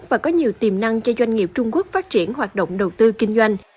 và có nhiều tiềm năng cho doanh nghiệp trung quốc phát triển hoạt động đầu tư kinh doanh